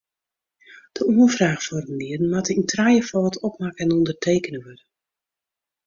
De oanfraachformulieren moatte yn trijefâld opmakke en ûndertekene wurde.